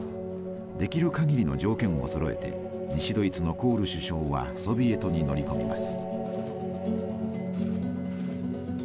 できるかぎりの条件をそろえて西ドイツのコール首相はソビエトに乗り込みます。